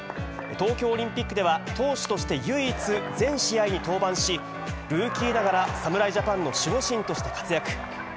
東京オリンピックでは投手として唯一、全試合に登板し、ルーキーながら、侍ジャパンの守護神として活躍。